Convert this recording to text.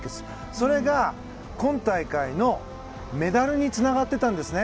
それが今大会のメダルにつながっていたんですね。